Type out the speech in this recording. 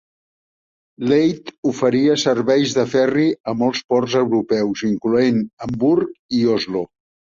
Leith oferia serveis de ferri a molts ports europeus, incloent Hamburg i Oslo.